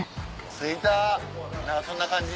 着いた何かそんな感じ。